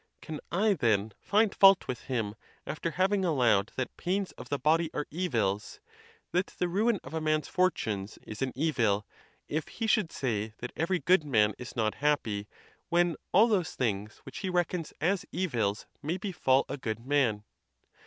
Can I, then, find fault with him, after having allowed that pains of the body are evils, that the ruin of a man's fortunes is an evil, if he should say that every good man is not happy, when all those things which he reckons as evils may befall a good man?